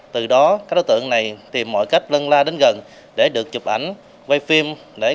từ đó các đối tượng này tìm mọi cách lân la đến gần để được chụp ảnh quay phim